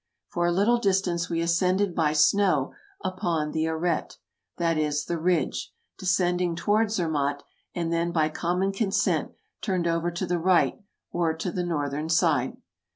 For a little distance we ascended by snow upon the arete — that is, the ridge — descending toward Zermatt, and then by common consent turned over to the right, or to the northern side.